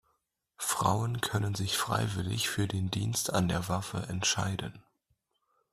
Frauen können sich freiwillig für den Dienst an der Waffe entscheiden.